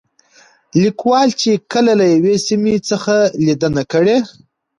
ليکوال چې کله له يوې سيمې څخه ليدنه کړې